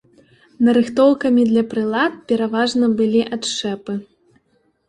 Нарыхтоўкамі для прылад пераважна былі адшчэпы.